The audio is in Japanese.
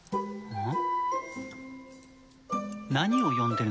うん。